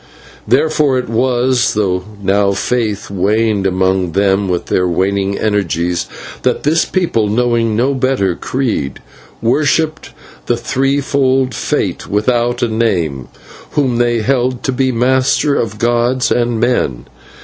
Therefore it was, though now faith waned among them with their waning energies, that the people, knowing no better creed, worshipped the threefold Fate without a name, whom they held to be master of gods and men.